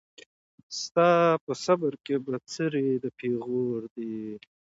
ستا په صبر کي بڅری د پېغور دی